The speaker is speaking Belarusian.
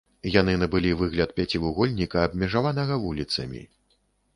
Яны набылі выгляд пяцівугольніка, абмежаванага вуліцамі.